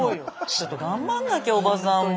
ちょっと頑張んなきゃおばさんも。